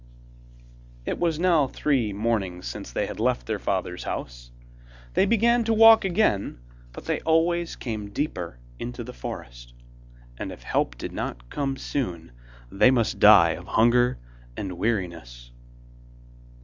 It was now three mornings since they had left their father's house. They began to walk again, but they always came deeper into the forest, and if help did not come soon, they must die of hunger and weariness.